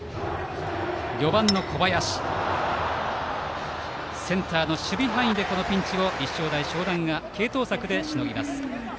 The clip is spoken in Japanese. ４番の小林の打球はセンターの守備範囲で立正大淞南が継投策でしのぎます。